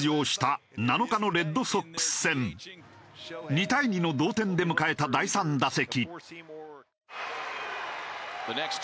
２対２の同点で迎えた第３打席。